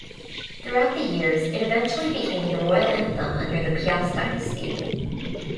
Throughout the years, it eventually became the royal anthem under the Piast Dynasty.